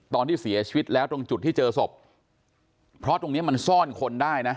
ตอนที่เสียชีวิตแล้วตรงจุดที่เจอศพเพราะตรงเนี้ยมันซ่อนคนได้นะ